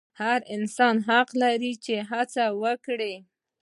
هر انسان حق لري چې هڅه وکړي.